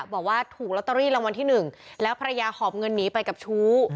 บอกว่าถูกลอตเตอรี่รางวัลที่หนึ่งแล้วภรรยาหอบเงินหนีไปกับชู้